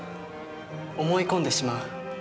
思い込んでしまう。